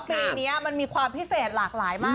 เพราะว่าปีนี้มันมีความพิเศษหลากหลายมาก